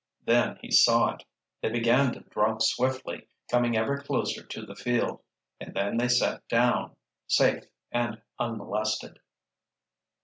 Then he saw it. They began to drop swiftly, coming ever closer to the field. And then they set down, safe and unmolested.